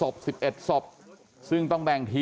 พ่อขออนุญาต